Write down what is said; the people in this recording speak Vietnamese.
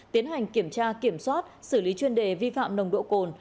tiến hành kiểm tra kiểm soát xử lý chuyên đề vi phạm nồng độ cồn